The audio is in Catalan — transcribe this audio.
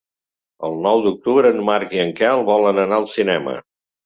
El nou d'octubre en Marc i en Quel volen anar al cinema.